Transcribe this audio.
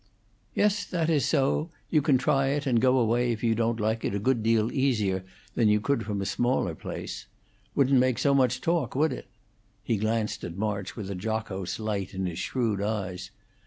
"Yes, that is so. You can try it, and go away if you don't like it a good deal easier than you could from a smaller place. Wouldn't make so much talk, would it?" He glanced at March with a jocose light in his shrewd eyes.